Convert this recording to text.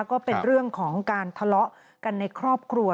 ก็เป็นเรื่องของการทะเลาะกันในครอบครัว